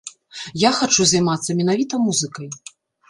Я хачу займацца менавіта музыкай.